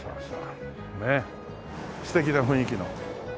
ねっ素敵な雰囲気の。